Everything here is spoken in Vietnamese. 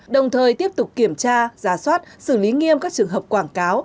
đồng thời tiếp tục kiểm tra giả soát xử lý nghiêm các trường hợp quảng cáo